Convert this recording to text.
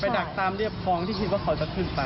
ไปดักตามเรียบคลองที่คิดจะขึ้นไป